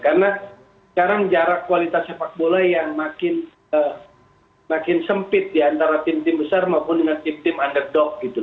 karena sekarang jarak kualitas sepak bola yang makin sempit di antara tim tim besar maupun tim tim underdog gitu